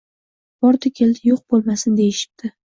Bordi-keldi yo`q bo`lmasin, deyishibdi